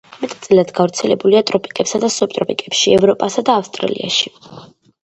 მეტწილად გავრცელებულია ტროპიკებსა და სუბტროპიკებში, ევროპასა და ავსტრალიაში.